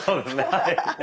はい。